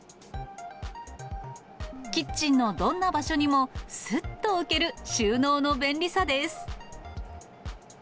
キッチンのどんな場所にも、すっと置ける収納の便利さです。